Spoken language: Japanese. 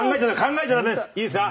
いいですか。